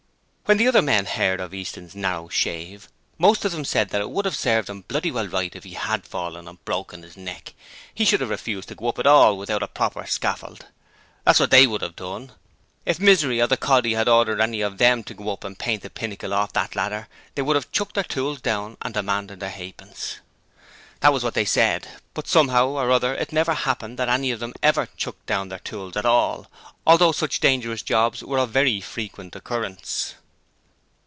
When the other men heard of Easton's 'narrow shave', most of them said that it would have served him bloody well right if he had fallen and broken his neck: he should have refused to go up at all without a proper scaffold. That was what THEY would have done. If Misery or the coddy had ordered any of THEM to go up and paint the pinnacle off that ladder, they would have chucked their tools down and demanded their ha'pence! That was what they said, but somehow or other it never happened that any of them ever 'chucked their tools down' at all, although such dangerous jobs were of very frequent occurrence.